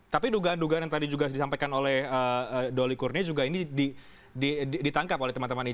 tapi dugaan dugaan yang tadi juga disampaikan oleh doli kurnia juga ini ditangkap oleh teman teman ini